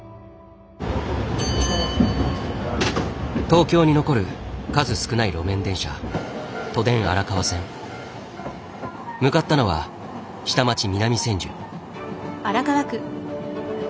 東京に残る数少ない路面電車向かったのは下町・南千住。